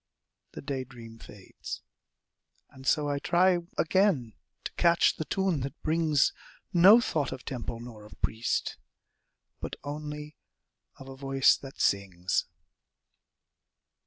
The day dream fades and so I try Again to catch the tune that brings No thought of temple nor of priest, But only of a voice that sings.